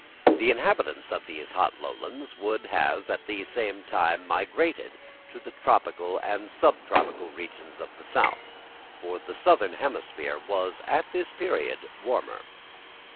The inhabitants of these hot lowlands would at the same time have migrated to the tropical and subtropical regions of the south, for the southern hemisphere was at this period warmer.